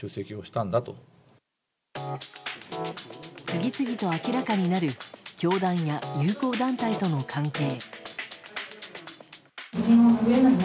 次々と明らかになる教団や友好団体との関係。